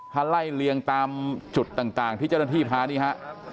ถ้าไล่เลียงตามจุดต่างที่เจ้าหน้าที่พานี่ฮะ